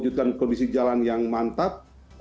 dan komisi jalan yang mantap